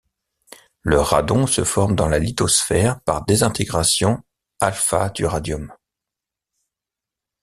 Le radon se forme dans la lithosphère par désintégration α du radium.